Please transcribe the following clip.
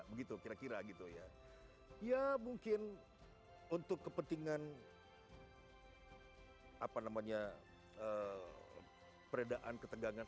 begitu kira kira gitu ya ya mungkin untuk kepentingan apa namanya peredaan ketegangan